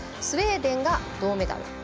スウェーデンが銅メダル。